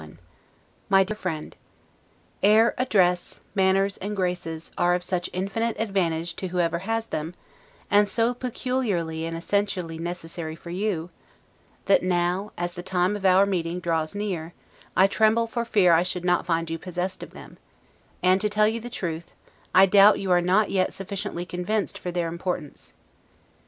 S. 1751 MY DEAR FRIEND: Air, address, manners, and graces are of such infinite advantage to whoever has them, and so peculiarly and essentially necessary for you, that now, as the time of our meeting draws near, I tremble for fear I should not find you possessed of them; and, to tell you the truth, I doubt you are not yet sufficiently convinced for their importance.